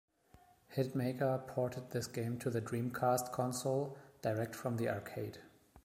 Hitmaker ported this game to the Dreamcast console direct from the arcade.